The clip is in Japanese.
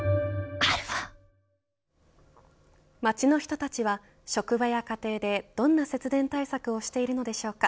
街の人たちは、職場や家庭でどんな節電対策をしているのでしょうか。